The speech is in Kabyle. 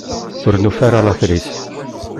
Ur nufi ara later-is.